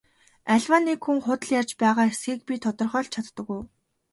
Аливаа нэг хүн худал ярьж байгаа эсэхийг би тодорхойлж чаддаг уу?